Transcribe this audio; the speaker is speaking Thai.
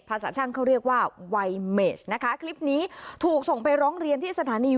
ภาษาช่างเขาเรียกว่าไวเมสนะคะคลิปนี้ถูกส่งไปร้องเรียนที่สถานี